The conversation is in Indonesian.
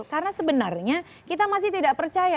karena sebenarnya kita masih tidak percaya